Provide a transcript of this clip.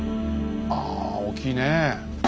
ああ大きいねえ。